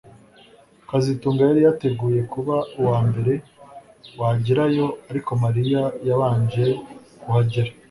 kazitunga yari yateguye kuba uwambere wagerayo ariko Mariya yabanje kuhagera